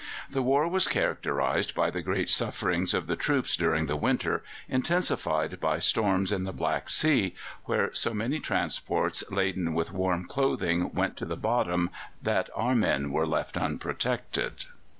The war was characterized by the great sufferings of the troops during the winter, intensified by storms in the Black Sea, where so many transports laden with warm clothing went to the bottom that our men were left unprotected.